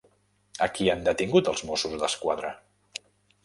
A qui han detingut els Mossos d'Esquadra?